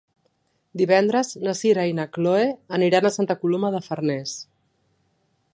Divendres na Sira i na Chloé aniran a Santa Coloma de Farners.